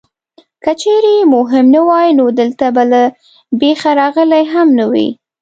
که چېرې مهم نه وای نو دلته به له بېخه راغلی هم نه وې.